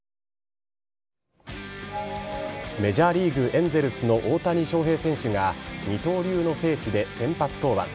メジャーリーグエンゼルスの大谷翔平選手が二刀流の聖地で先発登板。